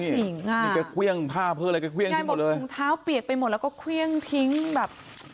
นี่แกเครื่องผ้าเพื่ออะไรก็เครื่องได้หมดเลยถุงเท้าเปียกไปหมดแล้วก็เครื่องทิ้งแบบ